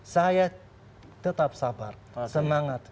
saya tetap sabar semangat